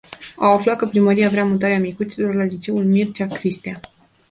Au aflat că primăria vrea mutarea micuților la liceul Mircea Cristea.